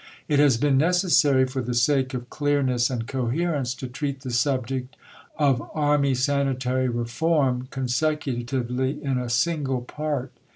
It has been necessary, for the sake of clearness and coherence, to treat the subject of Army sanitary reform consecutively in a single Part.